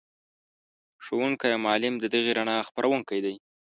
ښوونکی او معلم د دغې رڼا خپروونکی دی.